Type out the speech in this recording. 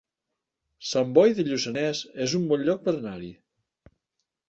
Sant Boi de Lluçanès es un bon lloc per anar-hi